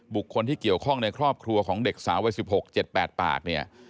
บุคคลที่เกี่ยวข้องในครอบครัวของเด็กสาววัย๑๖๗๘ปากเนี่ย